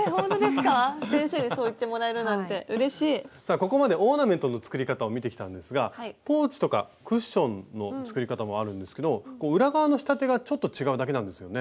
ここまでオーナメントの作り方を見てきたんですがポーチとかクッションの作り方もあるんですけど裏側の仕立てがちょっと違うだけなんですよね。